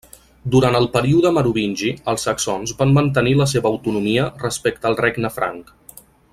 Durant el període merovingi els saxons van mantenir la seva autonomia respecte al regne franc.